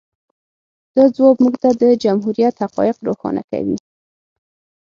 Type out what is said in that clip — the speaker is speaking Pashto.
د ځواب موږ ته د جمهوریت حقایق روښانه کوي.